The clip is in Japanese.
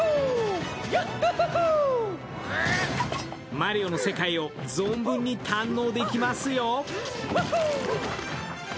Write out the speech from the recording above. マリオの世界を存分に堪能できますよ。